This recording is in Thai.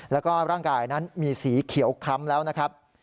แล้วก็ร่างกายนั้นมีสีเขียวคล้ำแล้วนะครับ